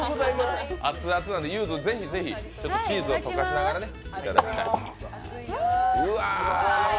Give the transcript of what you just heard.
熱々なんで、ぜひぜひチーズを溶かしながらいただきたい。